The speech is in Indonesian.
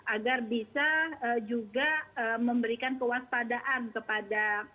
agar bisa juga memberikan kewaspadaan kepada